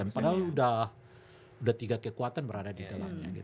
padahal udah tiga kekuatan berada di sana